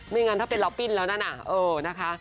ไม่งั้นถ้าเป็นล็อคปินแล้วนั่นอ่ะเออนะคะ